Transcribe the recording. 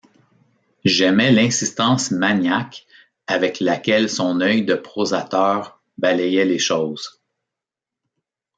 J’aimais l’insistance maniaque avec laquelle son œil de prosateur balayait les choses.